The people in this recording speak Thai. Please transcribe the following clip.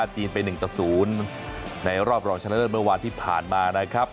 ทั้งต่อยทั้งโชคนะครับ